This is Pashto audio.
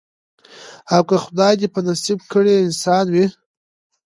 او که خدای دي په نصیب کړی انسان وي